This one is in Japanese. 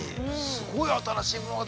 すごい新しいものが。